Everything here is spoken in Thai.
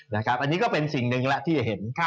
นะครับอันนี้ก็เป็นสิ่งหนึ่งละที่จะเห็น